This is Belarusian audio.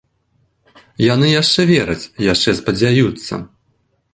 Яны яшчэ вераць, яшчэ спадзяюцца.